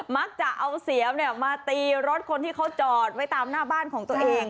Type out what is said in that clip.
มักจะเอาเสียมมาตีรถคนที่เขาจอดไว้ตามหน้าบ้านของตัวเอง